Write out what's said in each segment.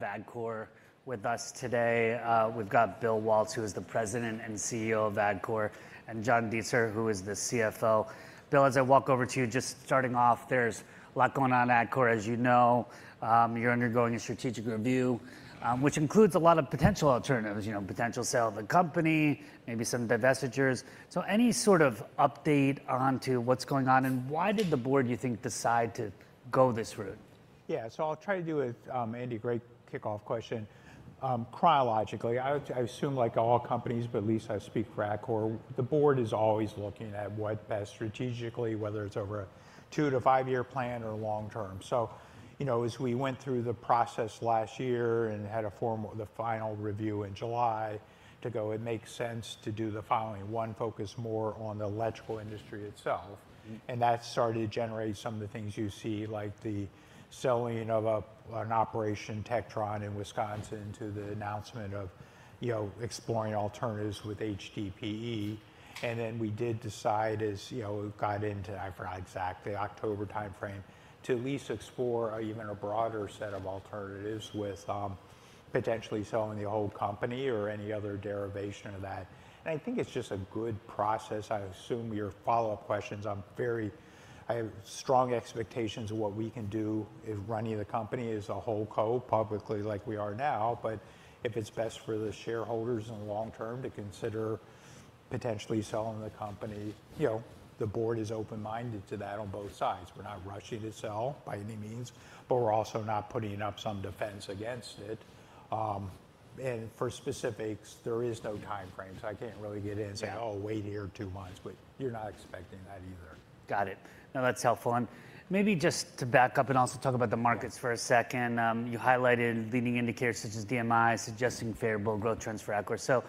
Atkore with us today. We've got Bill Waltz, who is the President and CEO of Atkore, and John Deitzer, who is the CFO. Bill, as I walk over to you, just starting off, there's a lot going on at Atkore, as you know. You're undergoing a strategic review, which includes a lot of potential alternatives, you know, potential sale of the company, maybe some divestitures. So any sort of update on what's going on, and why did the board, you think, decide to go this route? Yeah. So I'll try to do it, Andy, great kick-off question, chronologically. I assume, like all companies, but at least I speak for Atkore, the board is always looking at what best strategically, whether it's over a two to five-year plan or long term. So, you know, as we went through the process last year and had the final review in July to go, it makes sense to do the following: One, focus more on the electrical industry itself. Mm. And that started to generate some of the things you see, like the selling of an operation, Tectron, in Wisconsin, to the announcement of, you know, exploring alternatives with HDPE. And then we did decide, as, you know, we got into, I forgot exactly, October timeframe, to at least explore an even broader set of alternatives with, potentially selling the whole company or any other derivation of that. And I think it's just a good process. I assume your follow-up questions, I'm very—I have strong expectations of what we can do if running the company as a whole company publicly like we are now. But if it's best for the shareholders in the long term to consider potentially selling the company, you know, the board is open-minded to that on both sides. We're not rushing to sell, by any means, but we're also not putting up some defense against it. And for specifics, there is no time frame, so I can't really get in and say, "Oh, wait here two months," but you're not expecting that either. Got it. No, that's helpful. And maybe just to back up and also talk about the markets for a second. You highlighted leading indicators such as DMI, suggesting favorable growth trends for Atkore. So,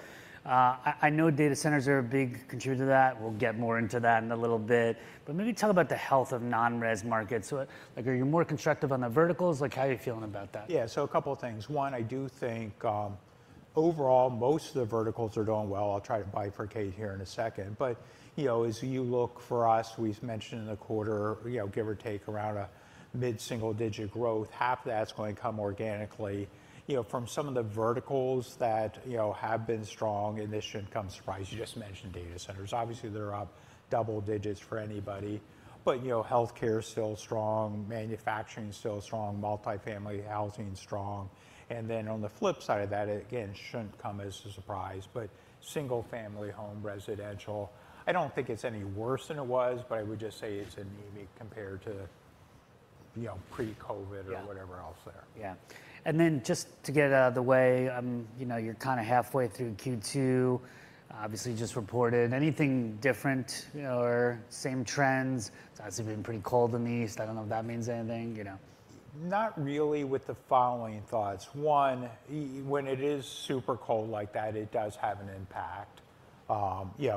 I know data centers are a big contributor to that. We'll get more into that in a little bit, but maybe tell about the health of non-res markets. So, like, are you more constructive on the verticals? Like, how are you feeling about that? Yeah, so a couple of things. One, I do think, overall, most of the verticals are doing well. I'll try to bifurcate here in a second. But, you know, as you look for us, we've mentioned in the quarter, you know, give or take, around a mid-single-digit growth. Half of that's going to come organically. You know, from some of the verticals that, you know, have been strong, and this shouldn't come as a surprise, you just mentioned data centers. Obviously, they're up double digits for anybody. But, you know, healthcare is still strong, manufacturing is still strong, multifamily housing is strong. And then on the flip side of that, again, shouldn't come as a surprise, but single-family home, residential, I don't think it's any worse than it was, but I would just say it's anemic compared to, you know, pre-COVID- Yeah... or whatever else there. Yeah. And then just to get it out of the way, you know, you're kind of halfway through Q2, obviously just reported. Anything different, you know, or same trends? It's obviously been pretty cold in the East. I don't know if that means anything, you know. Not really, with the following thoughts: One, when it is super cold like that, it does have an impact. You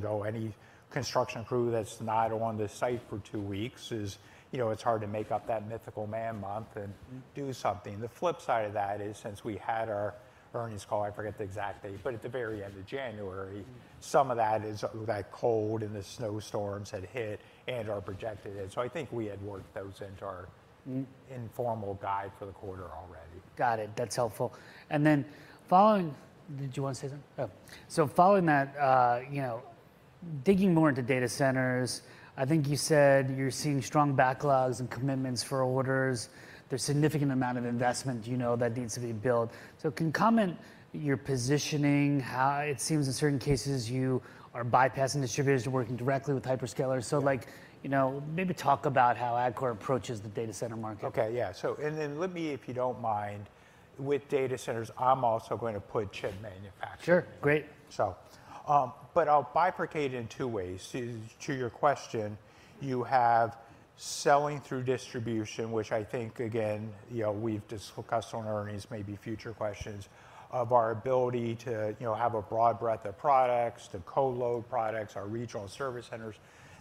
know, any construction crew that's not on the site for two weeks is... You know, it's hard to make up that mythical man month and- Mm... do something. The flip side of that is, since we had our earnings call, I forget the exact date, but at the very end of January- Mm... some of that is that cold and the snowstorms had hit and/or projected hit. So I think we had worked those into our- Mm... informal guide for the quarter already. Got it. That's helpful. And then following... Did you want to say something? Oh, so following that, you know, digging more into data centers, I think you said you're seeing strong backlogs and commitments for orders. There's a significant amount of investment, you know, that needs to be built. So can you comment your positioning, how it seems in certain cases you are bypassing distributors and working directly with hyperscalers? Yeah. Like, you know, maybe talk about how Atkore approaches the data center market. Okay, yeah. So, and then let me, if you don't mind, with data centers, I'm also going to put chip manufacturing. Sure, great. So, but I'll bifurcate it in two ways. To your question, you have selling through distribution, which I think, again, you know, we've discussed on earnings, maybe future questions, of our ability to, you know, have a broad breadth of products, to co-load products, our regional service centers.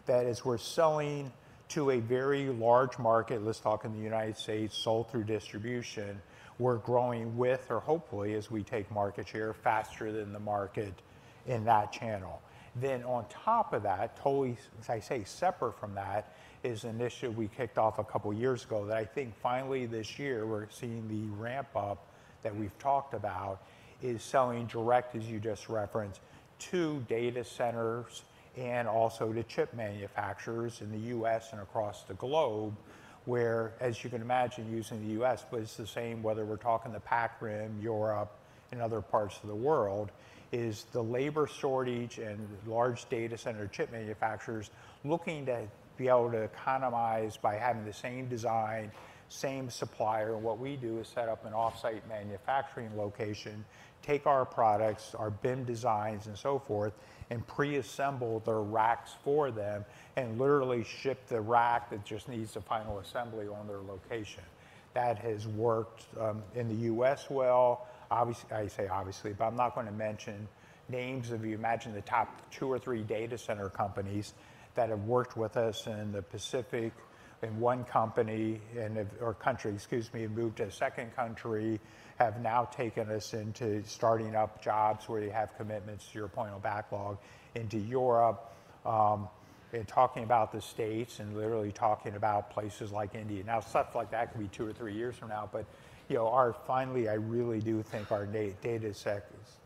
That is, we're selling to a very large market, let's talk in the United States, sold through distribution. We're growing with, or hopefully, as we take market share faster than the market in that channel. Then on top of that, totally, as I say, separate from that, is an issue we kicked off a couple of years ago that I think finally this year we're seeing the ramp-up that we've talked about, is selling direct, as you just referenced, to data centers and also to chip manufacturers in the U.S. and across the globe. Where, as you can imagine, usually in the U.S., but it's the same whether we're talking the Pac Rim, Europe, and other parts of the world, is the labor shortage and large data center chip manufacturers looking to be able to economize by having the same design, same supplier. And what we do is set up an off-site manufacturing location, take our products, our BIM designs, and so forth, and preassemble the racks for them and literally ship the rack that just needs the final assembly on their location. That has worked in the U.S. well. Obviously, I say obviously, but I'm not going to mention names, but if you imagine the top five-... Two or three data center companies that have worked with us in the Pacific, and one company in a, or country, excuse me, moved to a second country, have now taken us into starting up jobs where they have commitments to your point, on backlog into Europe, and talking about the States, and literally talking about places like India. Now, stuff like that can be two or three years from now, but, you know, our finally, I really do think our data centers,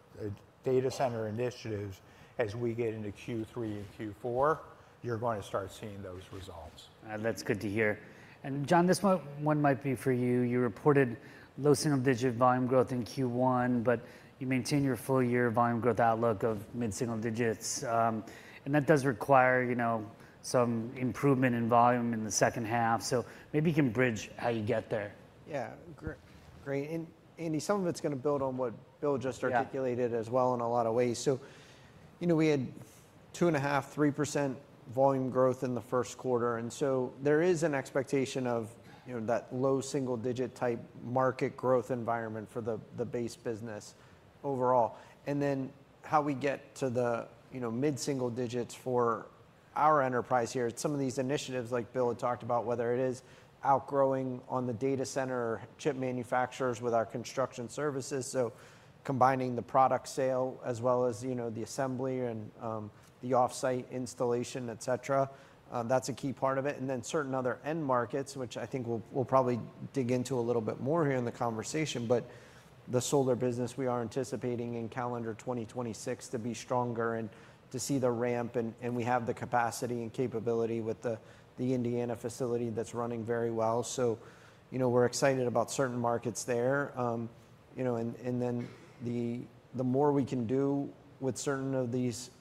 data center initiatives as we get into Q3 and Q4, you're going to start seeing those results. That's good to hear. And John, this one might be for you. You reported low single-digit volume growth in Q1, but you maintained your full year volume growth outlook of mid-single digits, and that does require, you know, some improvement in volume in the second half. So maybe you can bridge how you get there. Yeah, great. And Andy, some of it's gonna build on what Bill just articulated- Yeah... as well in a lot of ways. So, you know, we had 2.5%-3% volume growth in the first quarter, and so there is an expectation of, you know, that low single-digit type market growth environment for the base business overall. And then, how we get to the, you know, mid single digits for our enterprise here, some of these initiatives, like Bill had talked about, whether it is outgrowing on the data center, chip manufacturers with our construction services, so combining the product sale as well as, you know, the assembly and, the off-site installation, et cetera, that's a key part of it. And then certain other end markets, which I think we'll probably dig into a little bit more here in the conversation, but the solar business, we are anticipating in calendar 2026 to be stronger and to see the ramp, and we have the capacity and capability with the Indiana facility that's running very well. So, you know, we're excited about certain markets there. You know, and then the more we can do with certain of these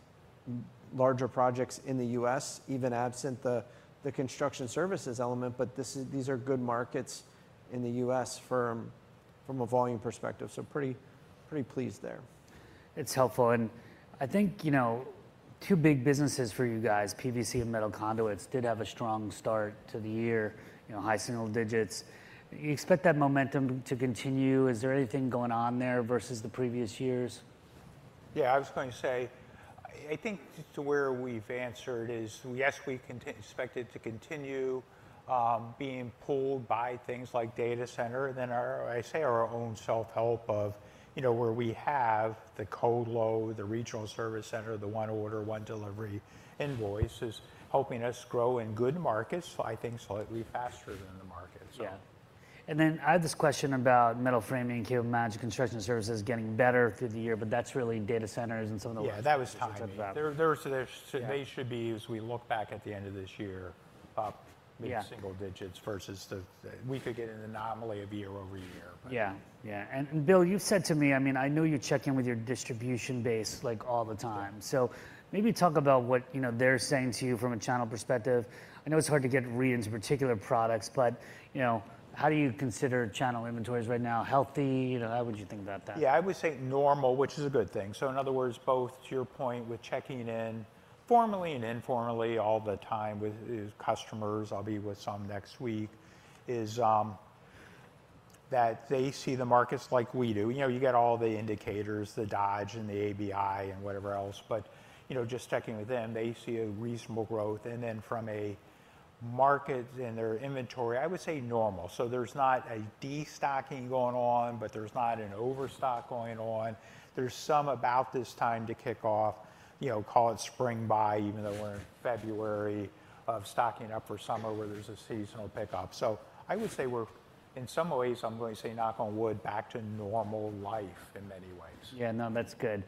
larger projects in the U.S., even absent the construction services element, but these are good markets in the U.S. from a volume perspective. So pretty pleased there. It's helpful, and I think, you know, two big businesses for you guys, PVC and metal conduits, did have a strong start to the year, you know, high single digits. You expect that momentum to continue? Is there anything going on there versus the previous years? Yeah, I was going to say, I think to where we've answered is, yes, we expect it to continue, you know, being pulled by things like data center, then our, I say, our own self-help of, you know, where we have the co-load, the regional service center, the one order, one delivery invoice is helping us grow in good markets, I think, slightly faster than the market. Yeah. And then I had this question about metal framing, cable management, construction services getting better through the year, but that's really data centers and some of the- Yeah, that was timing. Yeah. so they should be, as we look back at the end of this year, up- Yeah... mid-single digits versus the, we could get an anomaly of year-over-year. Yeah, yeah. And, and Bill, you've said to me, I mean, I know you check in with your distribution base, like, all the time. So maybe talk about what, you know, they're saying to you from a channel perspective. I know it's hard to get read into particular products, but, you know, how do you consider channel inventories right now? Healthy? You know, how would you think about that? Yeah, I would say normal, which is a good thing. So in other words, both to your point with checking in formally and informally all the time with customers, I'll be with some next week, is that they see the markets like we do. You know, you get all the indicators, the Dodge and the ABI and whatever else, but, you know, just checking with them, they see a reasonable growth, and then from a market and their inventory, I would say normal. So there's not a destocking going on, but there's not an overstock going on. There's some about this time to kick off, you know, call it spring buy, even though we're in February, of stocking up for summer, where there's a seasonal pickup. So I would say we're, in some ways, I'm going to say, knock on wood, back to normal life in many ways. Yeah, no, that's good.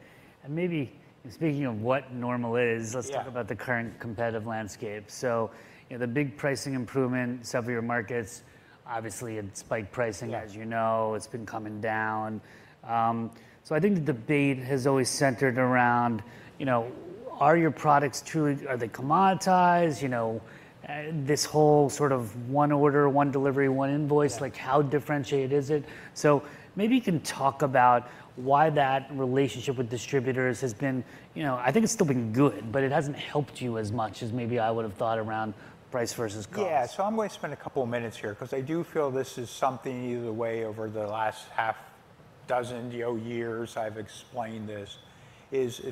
Maybe speaking of what normal is- Yeah... let's talk about the current competitive landscape. So, you know, the big pricing improvement, several markets, obviously in spike pricing- Yeah... as you know, it's been coming down. So I think the debate has always centered around, you know, are your products truly-- are they commoditized? You know, this whole sort of one order, one delivery, one invoice- Yeah... like, how differentiated is it? So maybe you can talk about why that relationship with distributors has been, you know, I think it's still been good, but it hasn't helped you as much as maybe I would've thought around price versus cost. Yeah, so I'm going to spend a couple of minutes here, because I do feel this is something either way, over the last half dozen, you know, years I've explained this.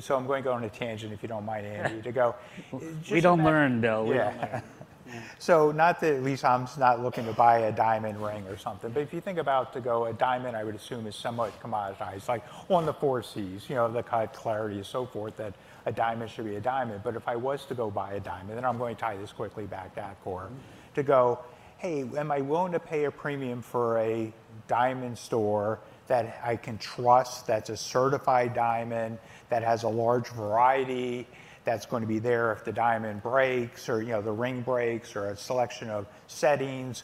So I'm going to go on a tangent, if you don't mind, Andy, to go. We don't mind, Bill. Yeah. So not that Lisa, I'm not looking to buy a diamond ring or something, but if you think about to go, a diamond, I would assume, is somewhat commoditized, like on the four Cs, you know, the cut, clarity, and so forth, that a diamond should be a diamond. But if I was to go buy a diamond, and I'm going to tie this quickly back to Atkore, to go, "Hey, am I willing to pay a premium for a diamond store that I can trust, that's a certified diamond, that has a large variety, that's going to be there if the diamond breaks or, you know, the ring breaks, or a selection of settings?"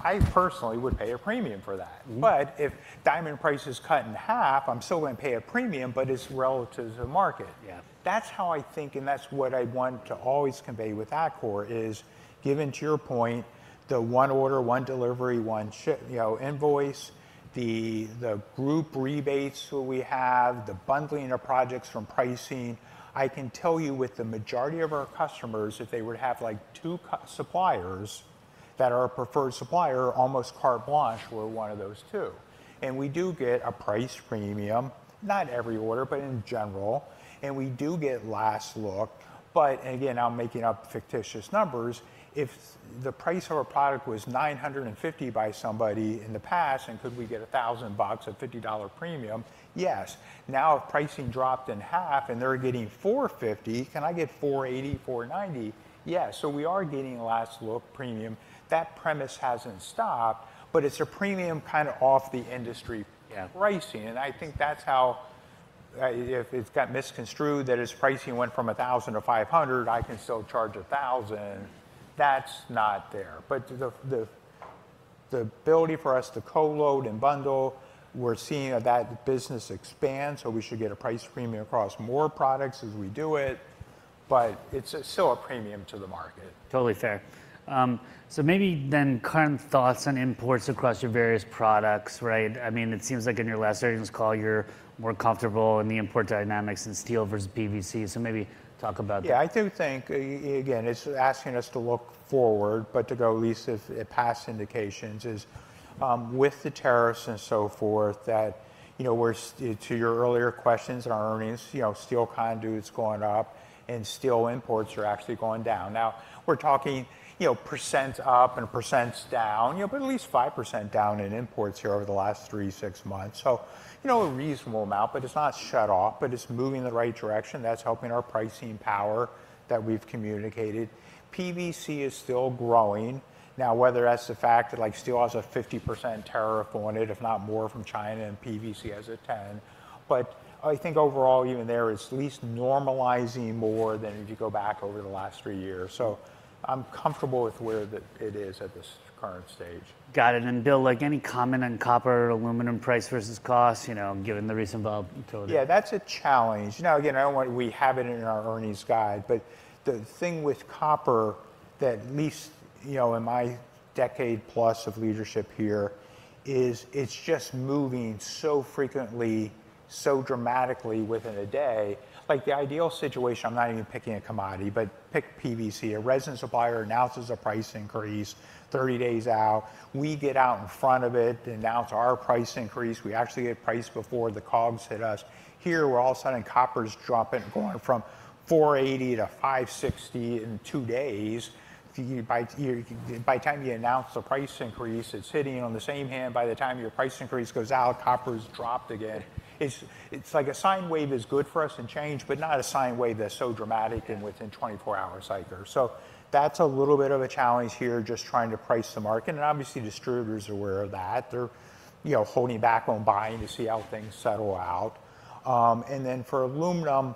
I personally would pay a premium for that. Mm. If diamond price is cut in half, I'm still going to pay a premium, but it's relative to the market. Yeah. That's how I think, and that's what I want to always convey with Atkore, is given to your point, the one order, one delivery, one ship—you know, invoice, the, the group rebates who we have, the bundling of projects from pricing. I can tell you with the majority of our customers, if they were to have, like, two suppliers... that our preferred supplier, almost carte blanche, we're one of those two. We do get a price premium, not every order, but in general, and we do get last look. Again, I'm making up fictitious numbers, if the price of a product was $950 by somebody in the past, and could we get $1,000, a $50 premium? Yes. Now, if pricing dropped in half and they're getting $450, can I get $480, $490? Yes. So we are getting a last look premium. That premise hasn't stopped, but it's a premium kind of off the industry- Yeah pricing, and I think that's how, if it's got misconstrued, that its pricing went from $1,000 to $500, I can still charge $1,000. That's not there. But the ability for us to co-load and bundle, we're seeing that business expand, so we should get a price premium across more products as we do it, but it's still a premium to the market. Totally fair. So maybe then current thoughts on imports across your various products, right? I mean, it seems like in your last earnings call, you're more comfortable in the import dynamics in steel versus PVC, so maybe talk about that. Yeah, I do think, again, it's asking us to look forward, but to go at least at past indications, with the tariffs and so forth, that, you know, we're, to your earlier questions in our earnings, you know, steel conduit is going up and steel imports are actually going down. Now, we're talking, you know, percents up and percents down, but at least 5% down in imports here over the last three to six months. You know, a reasonable amount, but it's not shut off, but it's moving in the right direction. That's helping our pricing power that we've communicated. PVC is still growing. Now, whether that's the fact that, like, steel has a 50% tariff on it, if not more, from China, and PVC has a 10%. But I think overall, even there, it's at least normalizing more than if you go back over the last three years. So I'm comfortable with where it is at this current stage. Got it. And Bill, like, any comment on copper, aluminum price versus costs, you know, given the recent volatility? Yeah, that's a challenge. Now, again, I don't want... We have it in our earnings guide, but the thing with copper that at least, you know, in my decade plus of leadership here, is it's just moving so frequently, so dramatically within a day. Like, the ideal situation, I'm not even picking a commodity, but pick PVC. A resin supplier announces a price increase 30 days out. We get out in front of it and announce our price increase. We actually get priced before the COGS hit us. Here, we're all of a sudden, copper's dropping, going from $4.80 to $5.60 in two days. By the time you announce the price increase, it's hitting. On the same hand, by the time your price increase goes out, copper's dropped again. It's, it's like a sine wave is good for us in change, but not a sine wave that's so dramatic and within 24 hours cycle. So that's a little bit of a challenge here, just trying to price the market, and obviously distributors are aware of that. They're, you know, holding back on buying to see how things settle out. And then for aluminum,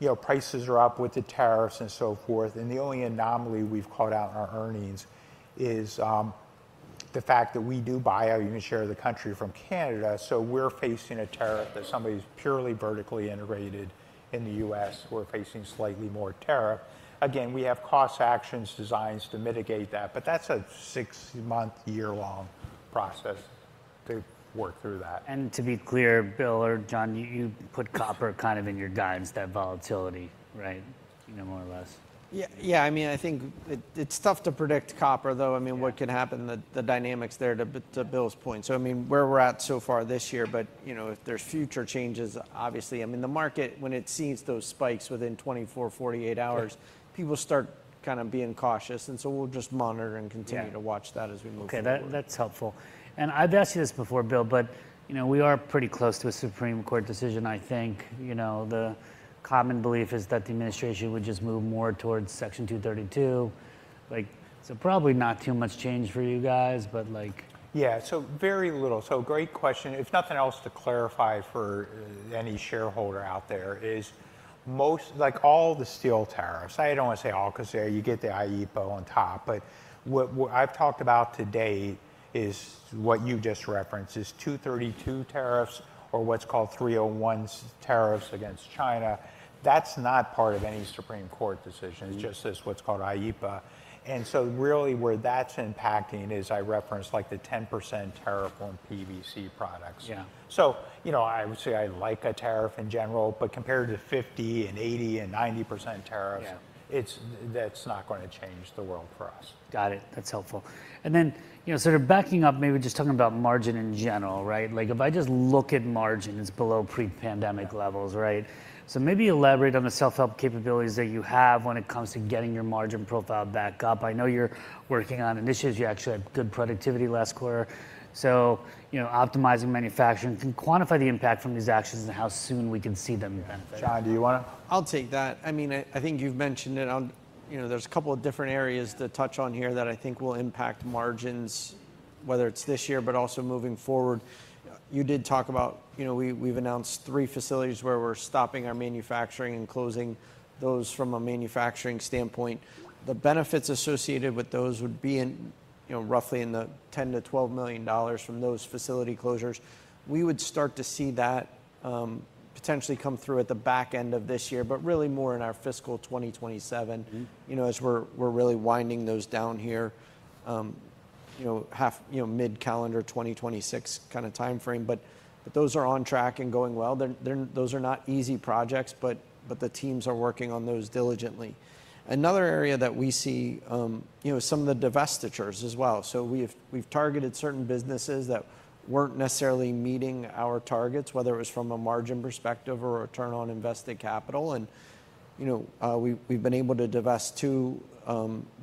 you know, prices are up with the tariffs and so forth, and the only anomaly we've called out in our earnings is, the fact that we do buy our aluminum share of the country from Canada, so we're facing a tariff that somebody who's purely vertically integrated in the U.S., we're facing slightly more tariff. Again, we have cost actions, designs to mitigate that, but that's a six-month, year-long process to work through that. To be clear, Bill or John, you put copper kind of in your guides, that volatility, right? You know, more or less. Yeah, yeah, I mean, I think it's tough to predict copper, though. Yeah. I mean, what can happen, the dynamics there, to Bill's point. So I mean, where we're at so far this year, but, you know, if there's future changes, obviously... I mean, the market, when it sees those spikes within 24, 48 hours- Yeah... people start kind of being cautious, and so we'll just monitor and continue. Yeah... to watch that as we move forward. Okay, that's helpful. And I've asked you this before, Bill, but you know, we are pretty close to a Supreme Court decision, I think. You know, the common belief is that the administration would just move more towards Section 232. Like, so probably not too much change for you guys, but like- Yeah, so very little. So great question. If nothing else, to clarify for any shareholder out there, is most, like, all the steel tariffs, I don't want to say all, because there you get the IEEPA on top, but what I've talked about to date is what you just referenced, is 232 tariffs or what's called 301 tariffs against China. That's not part of any Supreme Court decision. Mm. It's just this, what's called IEEPA. And so really, where that's impacting is, I referenced, like the 10% tariff on PVC products. Yeah. You know, I would say I like a tariff in general, but compared to 50%, 80%, and 90% tariffs- Yeah... it's, that's not going to change the world for us. Got it. That's helpful. And then, you know, sort of backing up, maybe just talking about margin in general, right? Like, if I just look at margins below pre-pandemic levels, right? So maybe elaborate on the self-help capabilities that you have when it comes to getting your margin profile back up. I know you're working on initiatives. You actually had good productivity last quarter. So, you know, optimizing manufacturing, can quantify the impact from these actions and how soon we can see them benefit? Yeah. John, do you want to? I'll take that. I mean, I think you've mentioned it on, you know, there's a couple of different areas to touch on here that I think will impact margins, whether it's this year, but also moving forward. You did talk about, you know, we've announced three facilities where we're stopping our manufacturing and closing those from a manufacturing standpoint. The benefits associated with those would be in, you know, roughly in the $10 million-$12 million from those facility closures. We would start to see that, potentially come through at the back end of this year, but really more in our fiscal 2027. Mm-hmm. You know, as we're really winding those down here, you know, mid-calendar 2026 kind of timeframe, but those are on track and going well. They're those are not easy projects, but the teams are working on those diligently. Another area that we see, you know, some of the divestitures as well. So we've targeted certain businesses that weren't necessarily meeting our targets, whether it was from a margin perspective or a return on invested capital, and, you know, we've been able to divest two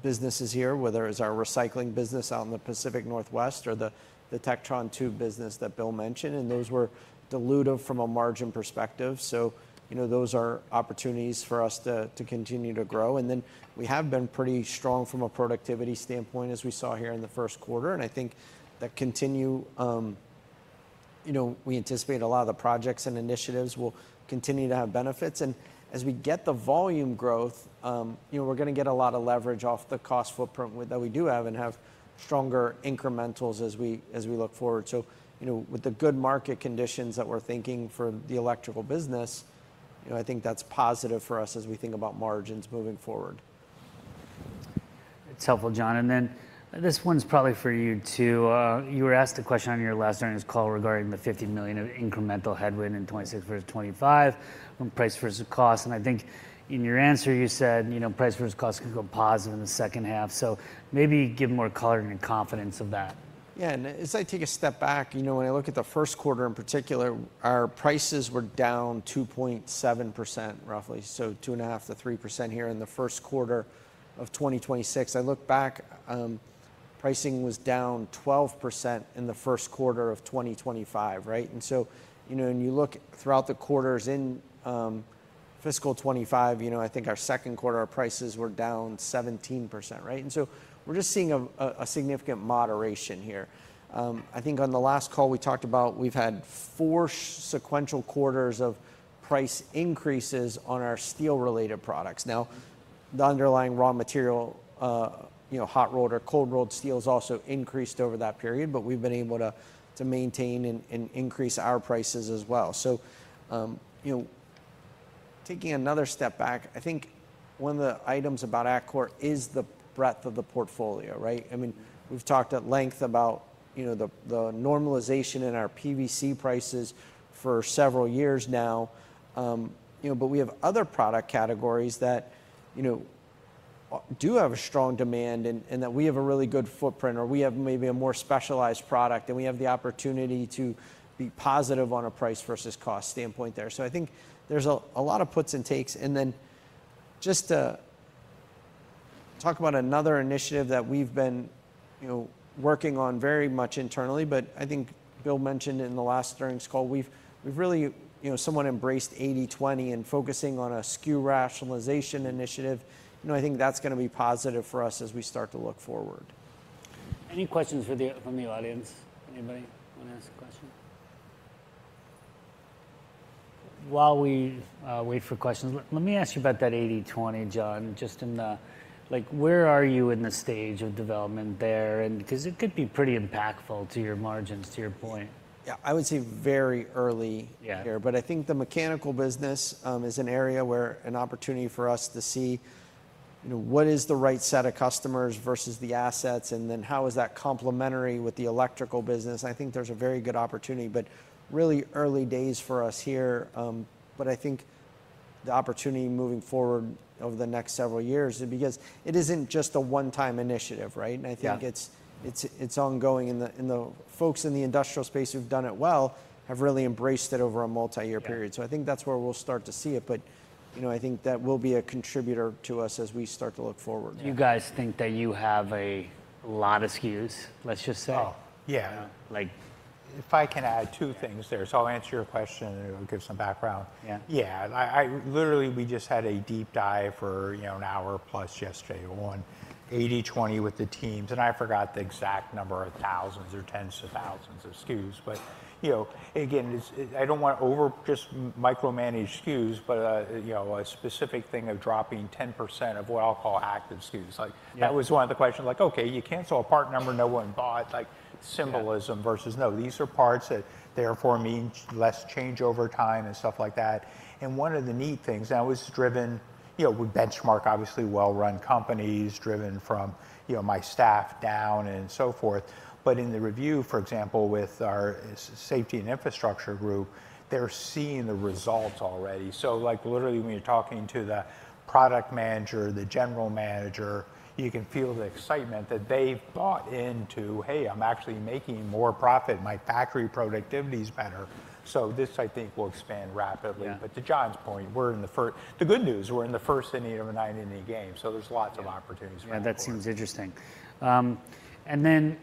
businesses here, whether it's our recycling business out in the Pacific Northwest or the Tectron Tube business that Bill mentioned, and those were dilutive from a margin perspective. So, you know, those are opportunities for us to continue to grow. And then, we have been pretty strong from a productivity standpoint, as we saw here in the first quarter, and I think that continue. You know, we anticipate a lot of the projects and initiatives will continue to have benefits. And as we get the volume growth, you know, we're gonna get a lot of leverage off the cost footprint that we do have and have stronger incrementals as we look forward. So, you know, with the good market conditions that we're thinking for the electrical business, you know, I think that's positive for us as we think about margins moving forward. It's helpful, John. And then, this one's probably for you, too. You were asked a question on your last earnings call regarding the $50 million of incremental headwind in 2026 versus 2025, from price versus cost, and I think in your answer, you said, you know, price versus cost could go positive in the second half, so maybe give more color and confidence of that. Yeah, and as I take a step back, you know, when I look at the first quarter in particular, our prices were down 2.7%, roughly, so 2.5%-3% here in the first quarter of 2026. I look back, pricing was down 12% in the first quarter of 2025, right? And so, you know, when you look throughout the quarters in fiscal 2025, you know, I think our second quarter, our prices were down 17%, right? And so we're just seeing a significant moderation here. I think on the last call, we talked about we've had four sequential quarters of price increases on our steel-related products. Now, the underlying raw material, you know, hot-rolled or-cold rolled steel has also increased over that period, but we've been able to maintain and increase our prices as well. So, you know, taking another step back, I think one of the items about Atkore is the breadth of the portfolio, right? I mean, we've talked at length about, you know, the normalization in our PVC prices for several years now, you know, but we have other product categories that, you know, do have a strong demand and that we have a really good footprint, or we have maybe a more specialized product, and we have the opportunity to be positive on a price versus cost standpoint there. So I think there's a lot of puts and takes. And then, just to talk about another initiative that we've been, you know, working on very much internally, but I think Bill mentioned it in the last earnings call, we've really, you know, somewhat embraced 80/20 and focusing on a SKU rationalization initiative. You know, I think that's gonna be positive for us as we start to look forward. Any questions from the audience? Anybody want to ask a question? While we wait for questions, let me ask you about that 80/20, John, just in the... Like, where are you in the stage of development there? And because it could be pretty impactful to your margins, to your point. Yeah, I would say very early- Yeah... here, but I think the mechanical business is an area where an opportunity for us to see, you know, what is the right set of customers versus the assets, and then how is that complementary with the electrical business? I think there's a very good opportunity, but really early days for us here. But I think the opportunity moving forward over the next several years, because it isn't just a one-time initiative, right? Yeah. I think it's ongoing, and the folks in the industrial space who've done it well have really embraced it over a multi-year period. Yeah. I think that's where we'll start to see it, but, you know, I think that will be a contributor to us as we start to look forward. Do you guys think that you have a lot of SKUs, let's just say? Oh, yeah. Like- If I can add two things there. So I'll answer your question and it'll give some background. Yeah. Yeah. I literally, we just had a deep dive for, you know, an hour plus yesterday on 80/20 with the teams, and I forgot the exact number of thousands or tens of thousands of SKUs. But, you know, again, it's it—I don't want to over just micromanage SKUs, but, you know, a specific thing of dropping 10% of what I'll call active SKUs. Yeah. Like, that was one of the questions, like: Okay, you cancel a part number no one bought, like- Yeah... symbolism versus... No, these are parts that therefore mean less change over time and stuff like that. And one of the neat things, and I was driven, you know, we benchmark, obviously, well-run companies, driven from, you know, my staff down and so forth. But in the review, for example, with our Safety & Infrastructure group, they're seeing the results already. So, like, literally, when you're talking to the product manager, the general manager, you can feel the excitement that they've bought into, "Hey, I'm actually making more profit. My factory productivity is better." So this, I think, will expand rapidly. Yeah. But to John's point, we're in the first inning of a nine-inning game, so there's lots of opportunities moving forward. Yeah, that seems interesting. And then,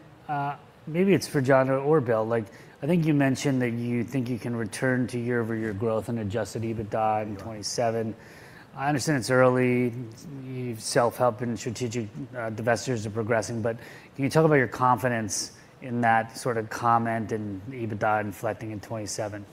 maybe it's for John or Bill, like, I think you mentioned that you think you can return to year-over-year growth and Adjusted EBITDA in 2027. Yeah. I understand it's early, self-help and strategic divestitures are progressing, but can you talk about your confidence in that sort of comment and EBITDA reflecting in 2027?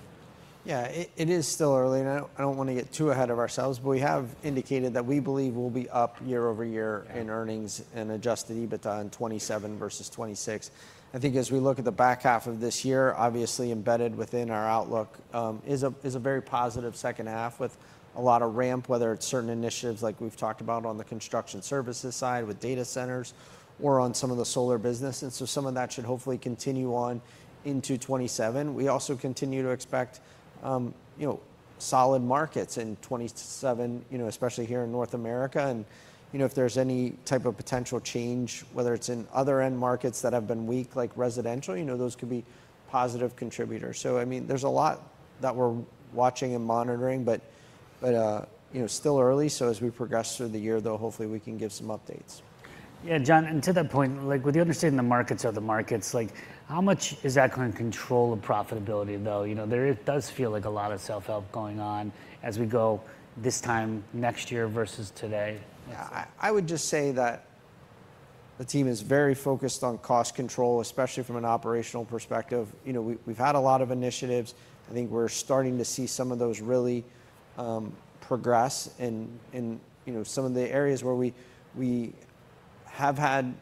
Yeah, it is still early, and I don't want to get too ahead of ourselves, but we have indicated that we believe we'll be up year-over-year- Yeah... in earnings and Adjusted EBITDA in 2027 versus 2026. I think as we look at the back half of this year, obviously embedded within our outlook, is a very positive second half with a lot of ramp, whether it's certain initiatives like we've talked about on the construction services side with data centers or on some of the solar business. And so some of that should hopefully continue on into 2027. We also continue to expect, you know, solid markets in 2027, you know, especially here in North America. And, you know, if there's any type of potential change, whether it's in other end markets that have been weak, like residential, you know, those could be positive contributors. So I mean, there's a lot that we're watching and monitoring, but, you know, still early, so as we progress through the year, though, hopefully we can give some updates. Yeah, John, and to that point, like with the understanding the markets are the markets, like how much is that gonna control the profitability, though? You know, there - it does feel like a lot of self-help going on as we go this time next year versus today. Yeah, I would just say that the team is very focused on cost control, especially from an operational perspective. You know, we've had a lot of initiatives. I think we're starting to see some of those really progress. In, you know, some of the areas where we have had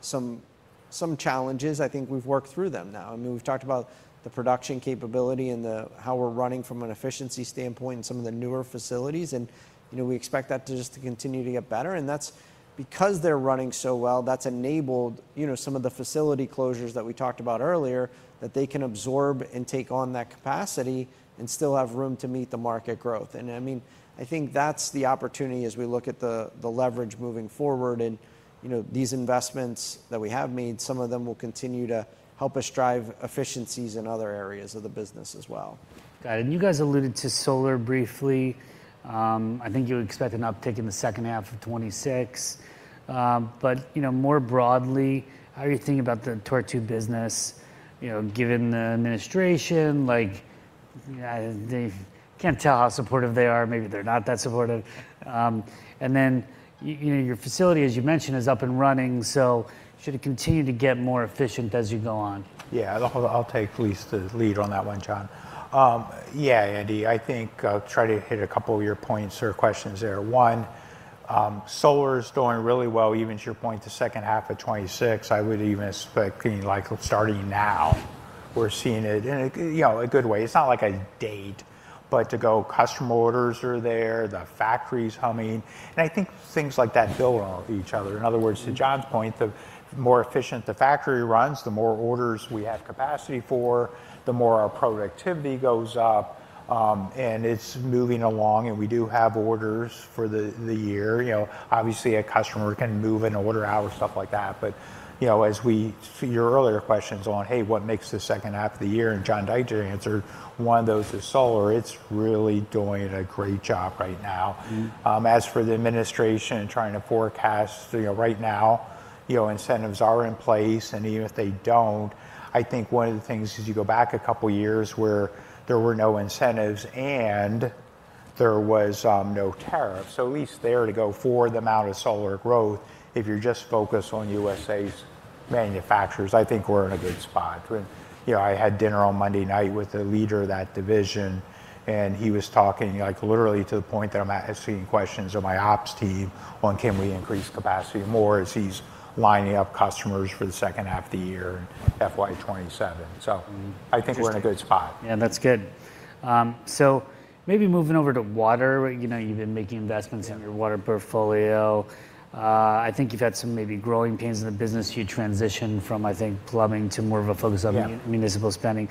some challenges, I think we've worked through them now. I mean, we've talked about the production capability and how we're running from an efficiency standpoint in some of the newer facilities and, you know, we expect that to just continue to get better, and that's because they're running so well, that's enabled, you know, some of the facility closures that we talked about earlier, that they can absorb and take on that capacity and still have room to meet the market growth. I mean, I think that's the opportunity as we look at the leverage moving forward and, you know, these investments that we have made. Some of them will continue to help us drive efficiencies in other areas of the business as well. Got it. And you guys alluded to solar briefly. I think you expect an uptick in the second half of 2026. But, you know, more broadly, how are you thinking about the Torque Tube business, you know, given the administration? Like, they can't tell how supportive they are, maybe they're not that supportive. And then, you know, your facility, as you mentioned, is up and running, so should it continue to get more efficient as you go on? Yeah. I'll take at least the lead on that one, John. Yeah, Andy, I think I'll try to hit a couple of your points or questions there. One, solar is doing really well. Even to your point, the second half of 2026, I would even expect, like, starting now, we're seeing it in a, you know, a good way. It's not like a date, but to go, customer orders are there, the factory's humming, and I think things like that build on each other. In other words, to John's point, the more efficient the factory runs, the more orders we have capacity for, the more our productivity goes up, and it's moving along, and we do have orders for the year. You know, obviously, a customer can move an order out or stuff like that, but, you know, as we... To your earlier questions on, hey, what makes the second half of the year, and John Deitzer did answer, one of those is solar. It's really doing a great job right now. Mm. As for the administration and trying to forecast, you know, right now, you know, incentives are in place, and even if they don't, I think one of the things is you go back a couple of years where there were no incentives and there was no tariffs. So at least there, to go for the amount of solar growth, if you're just focused on USA's manufacturers, I think we're in a good spot. And, you know, I had dinner on Monday night with the leader of that division, and he was talking, like, literally to the point that I'm asking questions of my ops team on can we increase capacity more as he's lining up customers for the second half of the year, FY 2027. Mm. I think we're in a good spot. Yeah, that's good. So maybe moving over to water, you know, you've been making investments in your water portfolio. I think you've had some maybe growing pains in the business. You transitioned from, I think, plumbing to more of a focus on- Yeah... municipal spending.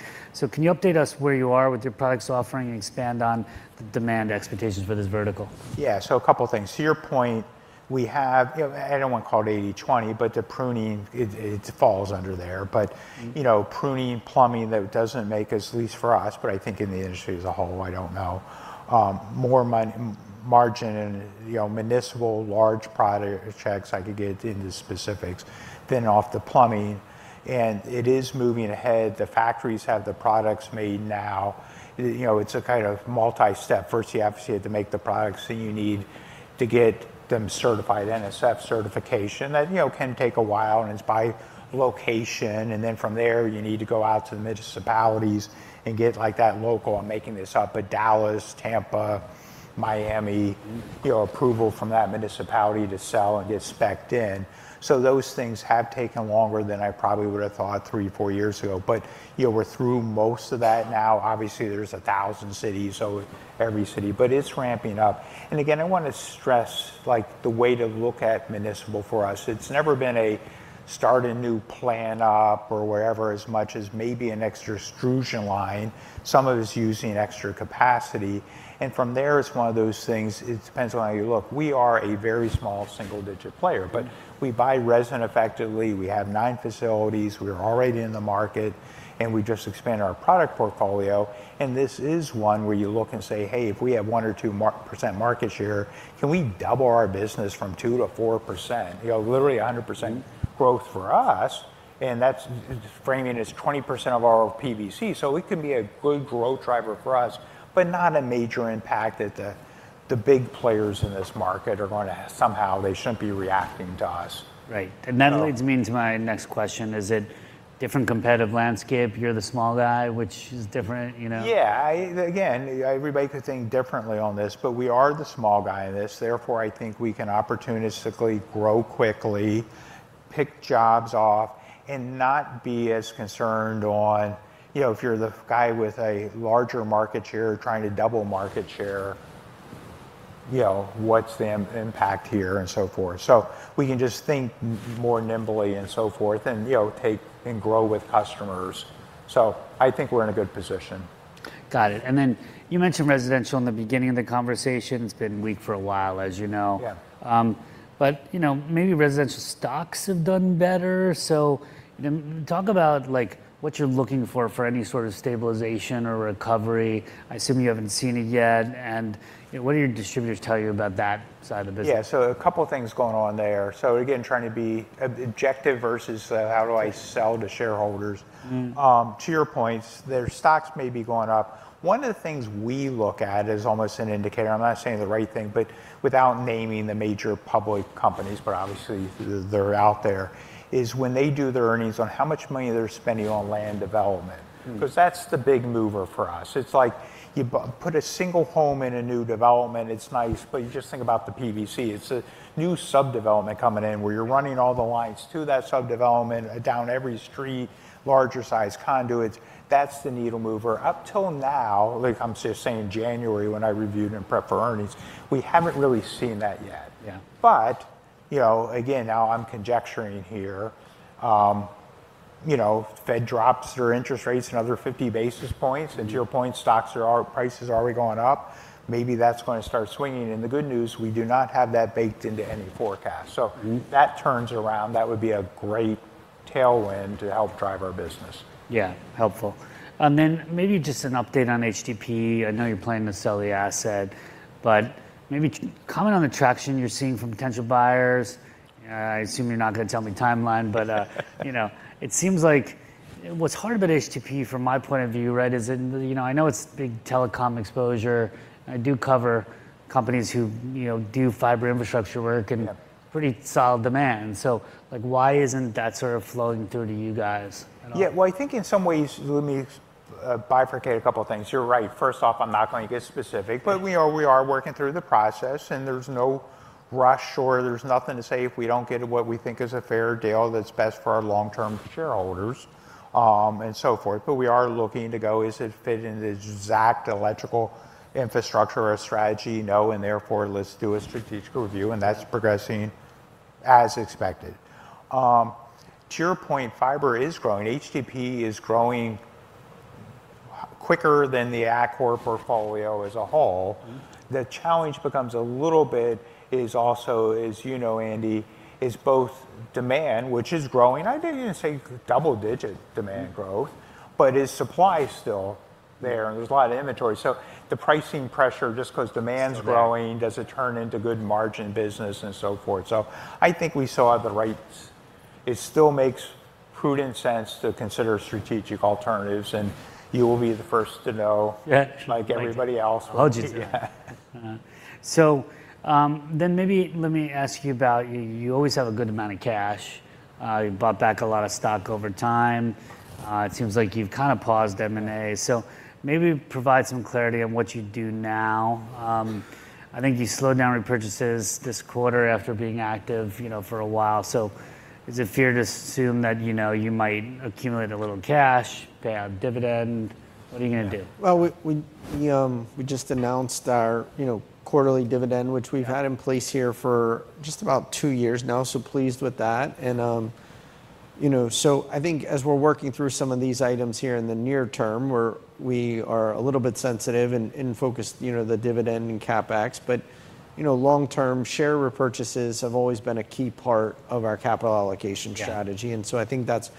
Can you update us where you are with your products offering and expand on the demand expectations for this vertical? Yeah, so a couple of things. To your point, we have, you know, I don't want to call it 80/20, but the pruning, it, it falls under there. Mm. But, you know, pruning, plumbing, that doesn't make us, at least for us, but I think in the industry as a whole, I don't know, more margin and, you know, municipal large product checks, I could get into specifics, than off the plumbing, and it is moving ahead. The factories have the products made now. You know, it's a kind of multi-step. First, you obviously have to make the products, then you need to get them certified, NSF certification. That, you know, can take a while, and it's by location, and then from there, you need to go out to the municipalities and get, like, that local, I'm making this up, but Dallas, Tampa, Miami, you know, approval from that municipality to sell and get spec'd in. So those things have taken longer than I probably would have thought three-four years ago. But, you know, we're through most of that now. Obviously, there's 1,000 cities, so every city, but it's ramping up. And again, I wanna stress, like, the way to look at municipal for us, it's never been a start a new plant up or wherever, as much as maybe an extra extrusion line. Some of it's using extra capacity, and from there, it's one of those things, it depends on how you look. We are a very small, single-digit player- Mm... but we buy resin effectively, we have nine facilities, we're already in the market, and we just expand our product portfolio, and this is one where you look and say, "Hey, if we have 1 or 2% market share, can we double our business from 2% to 4%?" You know, literally 100%- Mm... growth for us, and that's, framing it, is 20% of our PVC. So it can be a good growth driver for us, but not a major impact that the big players in this market are gonna somehow... they shouldn't be reacting to us. Right. So- That leads me into my next question: Is it different competitive landscape? You're the small guy, which is different, you know? Yeah, I, again, everybody could think differently on this, but we are the small guy in this, therefore, I think we can opportunistically grow quickly, pick jobs off, and not be as concerned on, you know, if you're the guy with a larger market share trying to double market share, you know, what's the impact here, and so forth. So we can just think more nimbly and so forth and, you know, take and grow with customers. So I think we're in a good position. Got it, and then you mentioned residential in the beginning of the conversation. It's been weak for a while, as you know. Yeah. But, you know, maybe residential stocks have done better. So then talk about, like, what you're looking for, for any sort of stabilization or recovery. I assume you haven't seen it yet, and, you know, what do your distributors tell you about that side of the business? Yeah, so a couple things going on there. So again, trying to be objective versus how do I sell to shareholders. Mm. To your points, their stocks may be going up. One of the things we look at as almost an indicator, I'm not saying the right thing, but without naming the major public companies, but obviously, they're out there, is when they do their earnings on how much money they're spending on land development- Mm... 'cause that's the big mover for us. It's like you put a single home in a new development, it's nice, but you just think about the PVC. It's a new subdevelopment coming in where you're running all the lines to that subdevelopment, down every street, larger size conduits, that's the needle mover. Up till now, like I'm just saying January, when I reviewed and prepped for earnings, we haven't really seen that yet. Yeah. But, you know, again, now I'm conjecturing here, you know, the Fed drops their interest rates another 50 basis points. Mm. To your point, prices are already going up. Maybe that's gonna start swinging. The good news, we do not have that baked into any forecast, so- Mm... that turns around, that would be a great tailwind to help drive our business. Yeah, helpful. And then maybe just an update on HDPE. I know you're planning to sell the asset, but maybe comment on the traction you're seeing from potential buyers. I assume you're not gonna tell me the timeline, but, you know, it seems like what's hard about HDPE from my point of view, right, is, and you know, I know it's big telecom exposure, and I do cover companies who, you know, do fiber infrastructure work- Yeah... and pretty solid demand. So, like, why isn't that sort of flowing through to you guys at all? Yeah, well, I think in some ways, let me bifurcate a couple things. You're right. First off, I'm not going to get specific, but we are, we are working through the process, and there's no rush, or there's nothing to say if we don't get what we think is a fair deal that's best for our long-term shareholders, and so forth. But we are looking to go, does this fit in the exact electrical infrastructure or strategy? No, and therefore, let's do a strategic review, and that's progressing as expected. To your point, fiber is growing. HDPE is growing quicker than the Atkore portfolio as a whole. Mm. The challenge becomes a little bit, as you know, Andy, is both demand, which is growing. I'd even say double-digit demand growth- Mm... but is supply still there? Mm. There's a lot of inventory. The pricing pressure, just 'cause demand's growing- Okay... does it turn into good margin business and so forth? So I think we saw the right... It still makes prudent sense to consider strategic alternatives, and you will be the first to know- Yeah... like everybody else. So, then maybe let me ask you about, you always have a good amount of cash. You bought back a lot of stock over time. It seems like you've kind of paused M&A, so maybe provide some clarity on what you do now. I think you slowed down repurchases this quarter after being active, you know, for a while. So is it fair to assume that, you know, you might accumulate a little cash, pay out a dividend? What are you gonna do? Well, we just announced our, you know, quarterly dividend, which we've had in place here for just about two years now, so pleased with that. And, you know, so I think as we're working through some of these items here in the near term, we're a little bit sensitive and focused, you know, the dividend and CapEx. But, you know, long-term share repurchases have always been a key part of our capital allocation strategy. Yeah. So I think that's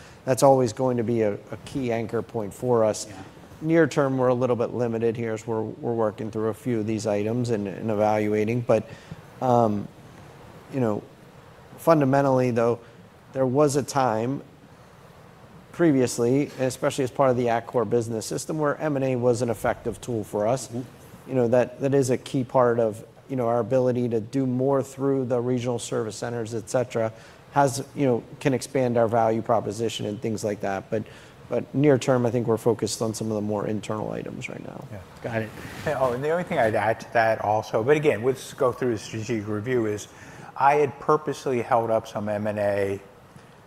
always going to be a key anchor point for us. Yeah. Near term, we're a little bit limited here, as we're working through a few of these items and evaluating. But, you know, fundamentally though, there was a time previously, and especially as part of the Atkore Business System, where M&A was an effective tool for us. Mm. You know, that is a key part of, you know, our ability to do more through the Regional Service Centers, et cetera, has, you know, can expand our value proposition, and things like that. But near term, I think we're focused on some of the more internal items right now. Yeah. Got it. Oh, and the only thing I'd add to that also, but again, we'll go through the strategic review, is I had purposely held up some M&A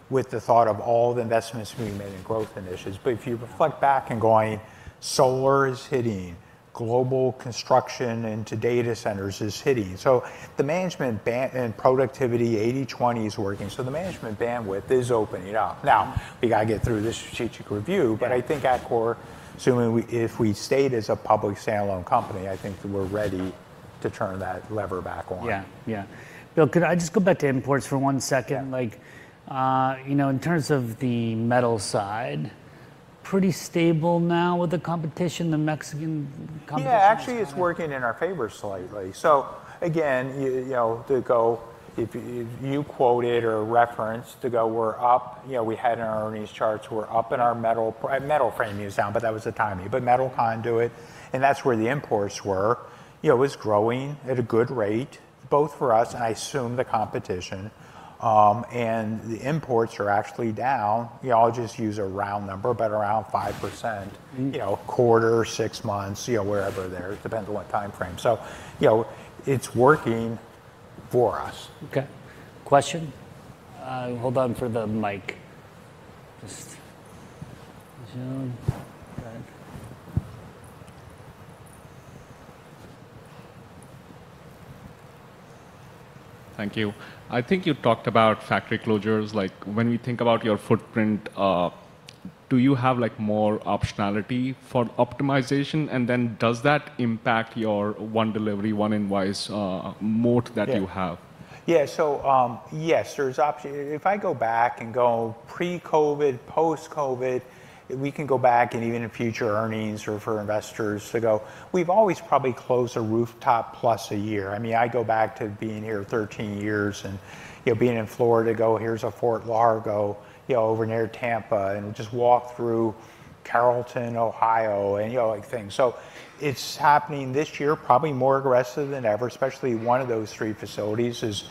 with the thought of all the investments we made in growth initiatives. But if you reflect back and going, solar is hitting, global construction into data centers is hitting, so the management bandwidth and productivity 80/20 is working, so the management bandwidth is opening up. Now, we gotta get through the strategic review- Yeah... but I think Atkore, assuming we, if we stayed as a public standalone company, I think we're ready to turn that lever back on. Yeah, yeah. Bill, could I just go back to imports for one second? Yeah. Like, you know, in terms of the metal side, pretty stable now with the competition, the Mexican competition side? Yeah, actually, it's working in our favor slightly. So again, you know, to go, if you quoted or referenced to go, we're up. You know, we had in our earnings charts, we're up in our metal, metal framing is down, but that was the timing. But metal conduit, and that's where the imports were, you know, it was growing at a good rate, both for us and I assume the competition. And the imports are actually down. You know, I'll just use a round number, but around 5%- Mm... you know, quarter, six months, you know, wherever there, it depends on what time frame. So, you know, it's working for us. Okay. Question? Hold on for the mic.... Just zoom back. Thank you. I think you talked about factory closures. Like, when we think about your footprint, do you have, like, more optionality for optimization? And then does that impact your one delivery, one invoice, moat that you have? Yeah. Yeah, so, yes, there's optionality—if I go back and go pre-COVID, post-COVID, we can go back and even in future earnings or for investors to go, we've always probably closed a rooftop plus a year. I mean, I go back to being here 13 years, and, you know, being in Florida, go, "Here's a Fort Largo, you know, over near Tampa," and just walk through Carrollton, Ohio, and, you know, like, things. So it's happening this year, probably more aggressive than ever, especially one of those three facilities is,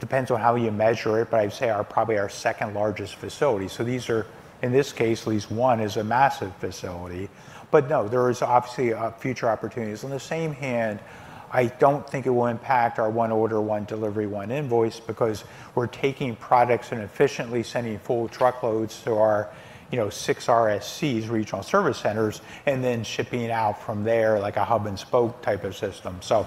depends on how you measure it, but I'd say our, probably our second largest facility. So these are, in this case, at least one is a massive facility. But no, there is obviously future opportunities. On the same hand, I don't think it will impact our one order, one delivery, one invoice, because we're taking products and efficiently sending full truckloads to our, you know, six RSCs, Regional Service Centers, and then shipping out from there like a hub-and-spoke type of system. So,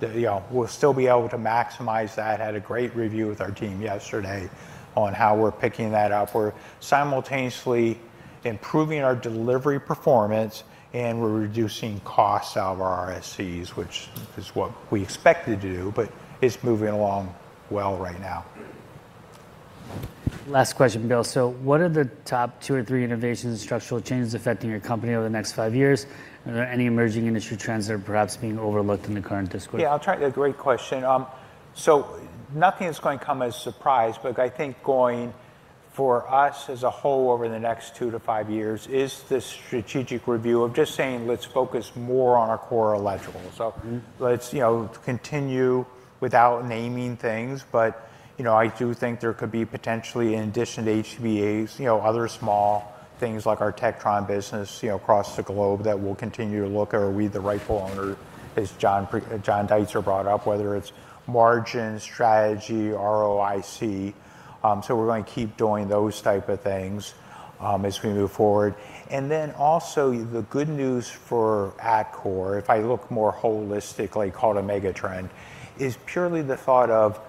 you know, we'll still be able to maximize that. Had a great review with our team yesterday on how we're picking that up. We're simultaneously improving our delivery performance, and we're reducing costs out of our RSCs, which is what we expected to do, but it's moving along well right now. Last question, Bill. So what are the top two or three innovations and structural changes affecting your company over the next five years? Are there any emerging industry trends that are perhaps being overlooked in the current discourse? Yeah, I'll try... A great question. So nothing is going to come as a surprise, but I think going for us as a whole over the next 2-5 years is this strategic review of just saying let's focus more on our core electrical. Mm. So let's, you know, continue without naming things. But, you know, I do think there could be potentially, in addition to HDPE, you know, other small things like our Tectron business, you know, across the globe, that we'll continue to look at. Are we the rightful owner, as John Deitzer brought up, whether it's margin, strategy, ROIC? So we're gonna keep doing those type of things, as we move forward. And then also, the good news for Atkore, if I look more holistically, call it a mega trend, is purely the thought of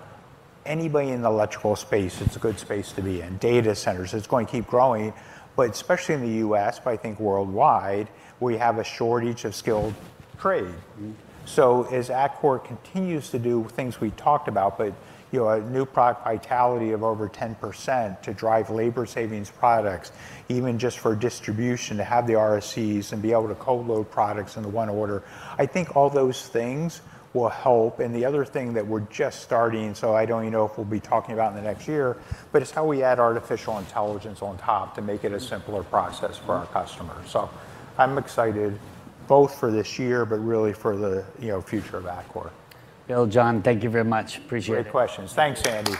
anybody in the electrical space, it's a good space to be in. Data centers, it's going to keep growing, but especially in the U.S., but I think worldwide, we have a shortage of skilled trade. Mm. So as Atkore continues to do things we talked about, but, you know, a new product vitality of over 10% to drive labor savings products, even just for distribution, to have the RSCs and be able to co-load products into one order, I think all those things will help. And the other thing that we're just starting, so I don't even know if we'll be talking about in the next year, but it's how we add artificial intelligence on top to make it a simpler process for our customers. So I'm excited both for this year, but really for the, you know, future of Atkore. Bill, John, thank you very much. Appreciate it. Great questions. Thanks, Andy.